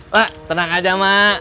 mak tenang aja mak